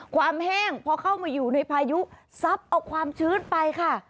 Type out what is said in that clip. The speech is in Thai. แห้งพอเข้ามาอยู่ในพายุซับเอาความชื้นไปค่ะ